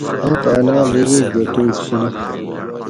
حق حلال رزق گھٹوگ سُنت